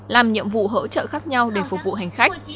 làm nhiệm vụ hỗ trợ khác nhau để phục vụ hành khách